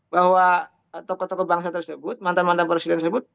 bahwa tokoh tokoh bangsa tersebut mantan mantan presiden tersebut